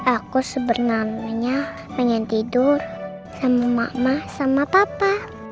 aku sebenarnya pengen tidur sama mama sama papa